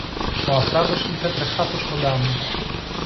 Ο Αφράτος ήλθε τρεχάτος κοντά μου